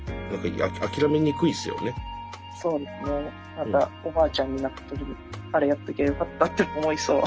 またおばあちゃんになった時にあれやっときゃよかったって思いそう。